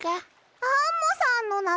アンモさんのなの？